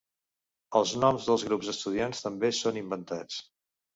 Els noms dels grups estudiats també són inventats.